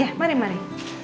ya mari mari